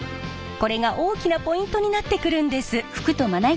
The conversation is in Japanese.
これが大きなポイントになってくるんです。